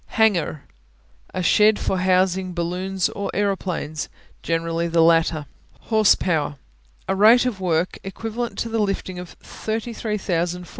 Hangar (hang'ar) A shed for housing balloons or aeroplanes, generally the latter. Horsepower A rate of work equivalent to the lifting of 33,000 ft.